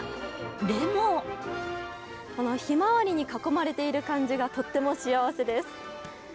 でもひまわりに囲まれている感じがとっても幸せです。